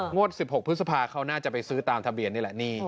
๑๖พฤษภาเขาน่าจะไปซื้อตามทะเบียนนี่แหละ